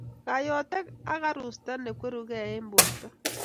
Kayotek ak arusta nekweru eng borta